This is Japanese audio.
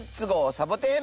サボテン」。